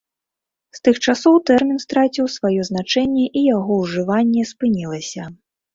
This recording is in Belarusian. З тых часоў тэрмін страціў сваё значэнне і яго ўжыванне спынілася.